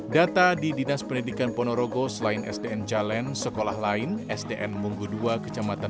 data di dinas pendidikan ponorogo selain sdn jalan sekolah lain sdn munggu ii kecamatan